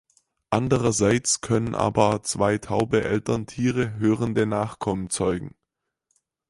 Andererseits können aber zwei taube Elterntiere hörende Nachkommen zeugen.